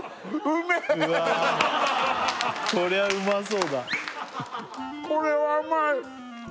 うわあこりゃうまそうだ